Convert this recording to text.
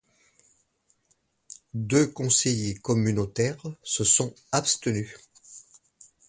Deux conseillers communautaires se sont abstenus.